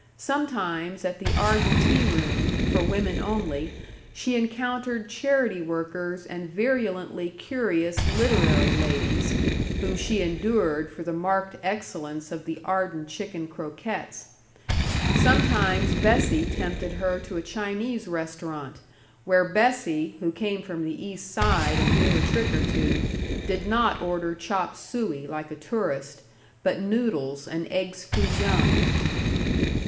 Sometimes at the Arden Tea Room, for women only, she encountered charity workers and virulently curious literary ladies, whom she endured for the marked excellence of the Arden chicken croquettes. Sometimes Bessie tempted her to a Chinese restaurant, where Bessie, who came from the East Side and knew a trick or two, did not order chop suey, like a tourist, but noodles and eggs foo young.